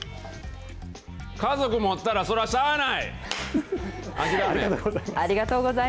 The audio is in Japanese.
家族持ったらそらしゃあない。